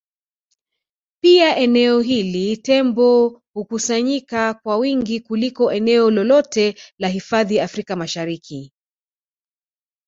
Pia eneo hili Tembo hukusanyika kwa wingi kuliko eneo lolote la hifadhi Afrika Mashariki